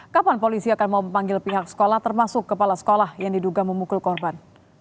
kapan polisi akan mau memanggil pihak sekolah termasuk kepala sekolah yang diduga memukul korban